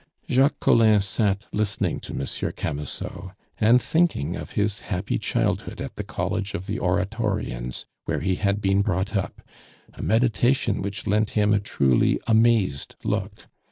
Jacques Collin sat listening to Monsieur Camusot, and thinking of his happy childhood at the College of the Oratorians, where he had been brought up, a meditation which lent him a truly amazed look.